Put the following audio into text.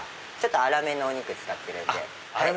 粗めのお肉使ってるんで。